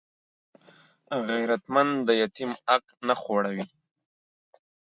غیرتمند د یتیم حق نه خوړوي